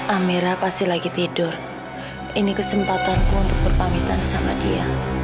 amera pasti lagi tidur ini kesempatanku untuk berpamitan sama dia